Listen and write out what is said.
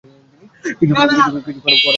কিছুক্ষণ পর ফিরে আসে।